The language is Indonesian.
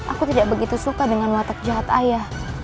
aku tidak begitu suka dengan watak jahat ayah